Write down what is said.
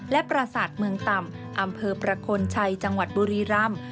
และประสาทเมืองต่ำอำเภอประคลชัยจังหวัดบุรีรำ